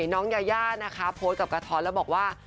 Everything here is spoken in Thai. น้องยายานะคะโพสต์กับกระท้อนแล้วบอกว่า